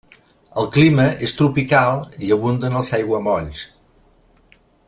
El clima és tropical i hi abunden els aiguamolls.